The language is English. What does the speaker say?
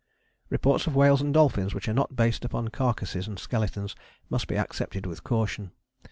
Reports of whales and dolphins which are not based upon carcases and skeletons must be accepted with caution.